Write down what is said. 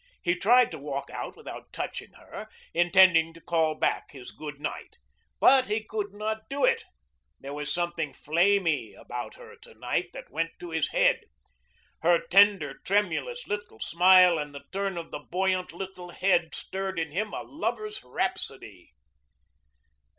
He tried to walk out without touching her, intending to call back his good night. But he could not do it. There was something flamey about her to night that went to his head. Her tender, tremulous little smile and the turn of the buoyant little head stirred in him a lover's rhapsody.